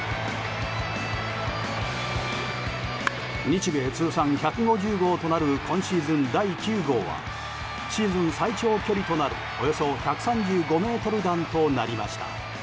日米通算１５０号となる今シーズン第９号はシーズン最長距離となるおよそ１３５ｍ弾となりました。